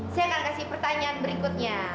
saya akan kasih pertanyaan berikutnya